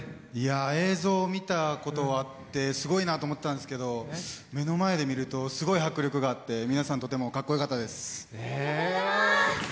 映像を見たことがあってすごいなと思ってたんですけど、目の前で見るとすごい迫力があって、皆さんとてもかっこよかったです。